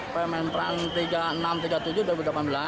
pemenperan tiga puluh enam tiga puluh tujuh tahun dua ribu delapan belas